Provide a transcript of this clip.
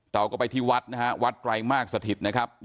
เราก็ไปที่วัดนะฮะวัดไตรมากสถิตนะครับ